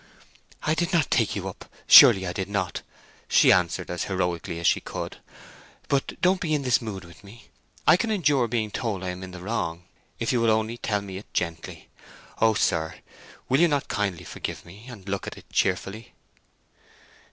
"I did not take you up—surely I did not!" she answered as heroically as she could. "But don't be in this mood with me. I can endure being told I am in the wrong, if you will only tell it me gently! O sir, will you not kindly forgive me, and look at it cheerfully?"